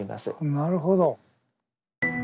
なるほど。